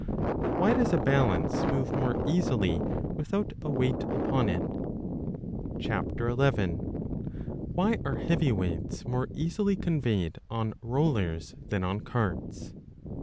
Why does a balance move more easily without a weight upon it ? 11. Why are heavy weights more easily conveyed on rollers than on carts